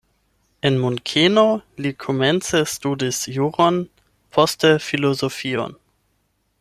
En Munkeno li komence studis juron, poste filozofion.